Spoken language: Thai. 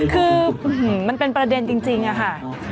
คือมันเป็นประเด็นจริงอะค่ะ